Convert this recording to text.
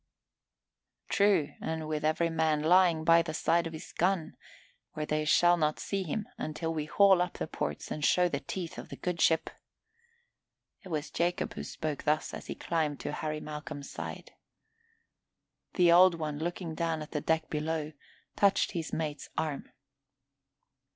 "True, and with every man lying by the side of his gun, where they shall not see him until we haul up the ports and show the teeth of the good ship." It was Jacob who spoke thus as he climbed to Harry Malcolm's side. The Old One, looking down at the deck below, touched his mate's arm.